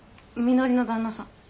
みのりの旦那さん。